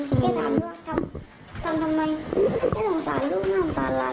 ถ้าถามด้วยทำทำไมไม่สงสารลูกไม่สงสารหลาน